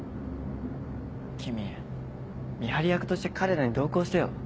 君見張り役として彼らに同行してよ。